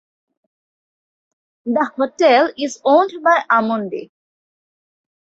The hotel is owned by Amundi.